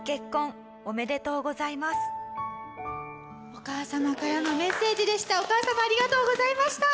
お母様からのメッセージでした。